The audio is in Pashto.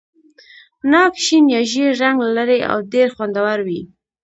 ناک شین یا ژېړ رنګ لري او ډېر خوندور وي.